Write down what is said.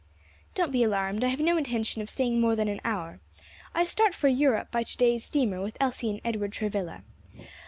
"Don't be alarmed, I have no intention of staying more than an hour. I start for Europe by to day's steamer, with Elsie and Edward Travilla.